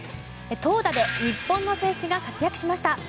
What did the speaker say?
投打で日本の選手が活躍しました。